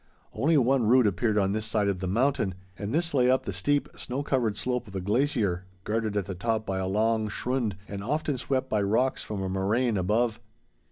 Only one route appeared on this side of the mountain, and this lay up the steep snow covered slope of a glacier, guarded at the top by a long schrund and often swept by rocks from a moraine above.